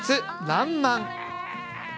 「らんまん」。